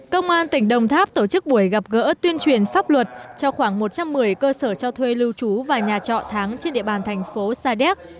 công an tỉnh đồng tháp tổ chức buổi gặp gỡ tuyên truyền pháp luật cho khoảng một trăm một mươi cơ sở cho thuê lưu trú và nhà trọ tháng trên địa bàn thành phố sa điếc